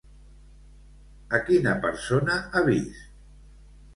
A quina persona ha vist?